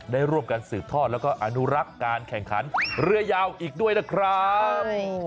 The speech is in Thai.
ได้ร่วมกันสืบทอดแล้วก็อนุรักษ์การแข่งขันเรือยาวอีกด้วยนะครับ